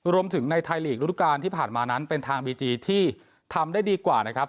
ในไทยลีกระดูกาลที่ผ่านมานั้นเป็นทางบีจีที่ทำได้ดีกว่านะครับ